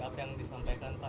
apa yang disampaikan pak